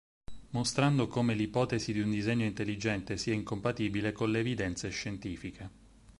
Mostrando come l'ipotesi di un disegno intelligente sia incompatibile con le evidenze scientifiche.